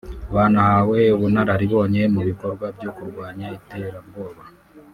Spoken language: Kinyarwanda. Banahawe ubunararibonye mu bikorwa byo kurwanya iterabwoba